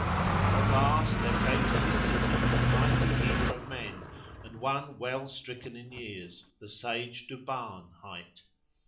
At last there came to his city a mighty healer of men and one well stricken in years, the sage Duban hight.